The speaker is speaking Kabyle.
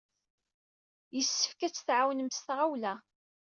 Yessefk ad t-tɛawnem s tɣawla!